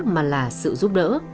mà là sự giúp đỡ